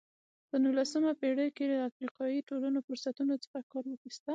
په نولسمه پېړۍ کې افریقایي ټولنو فرصتونو څخه کار واخیست.